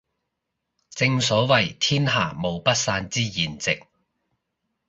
正所謂天下無不散之筵席